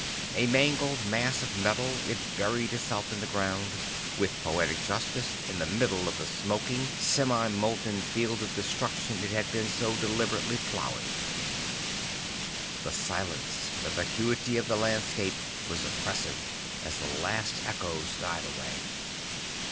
A mangled mass of metal, it buried itself in the ground, with poetic justice, in the middle of the smoking, semi molten field of destruction it had been so deliberately ploughing. The silence, the vacuity of the landscape, was oppressive, as the last echoes died away.